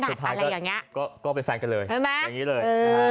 สุดท้ายก็ไปแฟนกันเลย